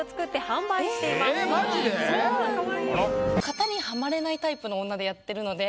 型にハマれないタイプの女でやってるので。